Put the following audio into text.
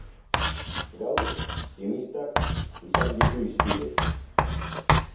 Gaur, tximistak izan ditu hizpide.